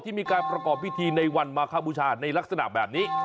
มีการประกอบพิธีในวันมาคบูชาในลักษณะแบบนี้